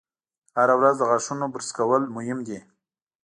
هره ورځ د غاښونو برش کول مهم دي.